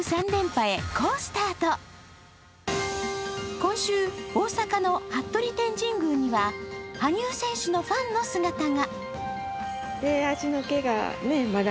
今週、大阪の服部天神宮には羽生選手のファンの姿が。